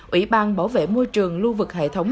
ủy ban bảo vệ môi trường lưu vực hệ thống